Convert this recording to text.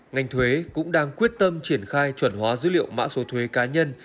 ngành thuế cũng đang quyết tâm triển khai chuẩn hóa dữ liệu mã số thuế cá nhân